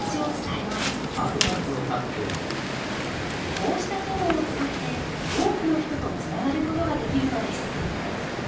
こうした機能を使って多くの人とつながることができるのです。